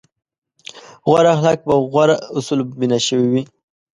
غوره اخلاق په غوره اصولو بنا شوي وي.